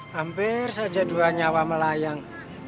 hampir saja dua nyawa melayang